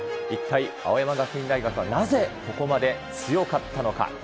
一体、青山学院大学はなぜここまで強かったのか。